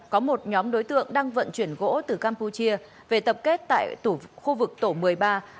có một nhóm đối tượng đang vận chuyển gỗ từ campuchia về tập kết tại khu vực tổ một mươi ba ấp vĩnh hòa xã vĩnh hội đông huyện an phú